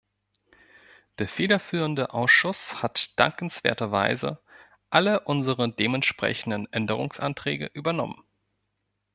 Der federführende Ausschuss hat dankenswerterweise alle unsere dementsprechenden Änderungsanträge übernommen.